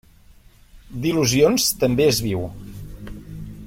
D'il·lusions també es viu.